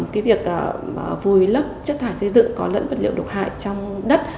cái việc vùi lấp chất thải xây dựng có lẫn vật liệu độc hại trong đất